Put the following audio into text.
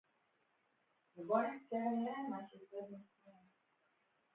ובוא נחכה ונראה מה שיקרה במצרים